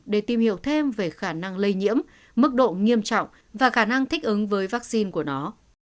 để tìm hiểu thêm về khả năng lây nhiễm mức độ nghiêm trọng và khả năng thích ứng với vaccine của nó